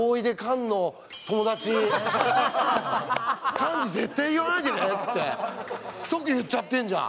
菅に絶対言わないでねって言って、即言っちゃってんじゃん。